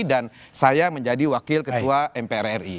dan saya menjadi wakil ketua mpr ri